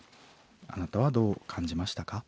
あなたはどう感じましたか？